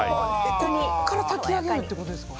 ここから炊き上げるんですか。